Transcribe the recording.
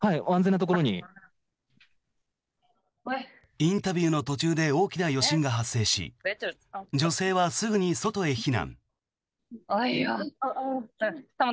インタビューの途中で大きな余震が発生し女性はすぐに外へ避難。